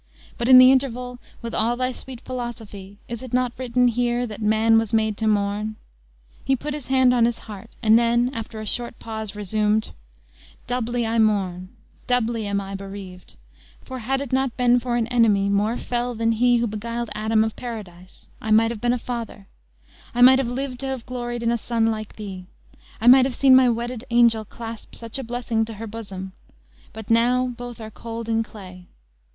But, in the interval, with all thy sweet philosophy, is it not written here 'that man was made to mourn?'" He put his hand on his heart; and then, after a short pause, resumed: "Doubly I mourn, doubly am I bereaved, for, had it not been for an enemy, more fell than he who beguiled Adam of Paradise, I might have been a father; I might have lived to have gloried in a son like thee; I might have seen my wedded angel clasp such a blessing to her bosom; but now, both are cold in clay!